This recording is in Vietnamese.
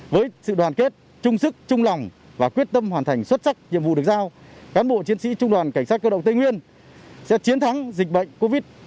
với sự đoàn kết trung sức trung lòng và quyết tâm hoàn thành xuất sắc nhiệm vụ được giao cán bộ chiến sĩ trung đoàn cảnh sát cơ động tây nguyên sẽ chiến thắng dịch bệnh covid